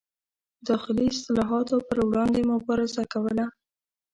داخلي اصلاحاتو پر وړاندې مبارزه کوله.